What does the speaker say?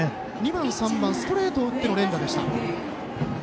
２番、３番ストレートを打っての連打。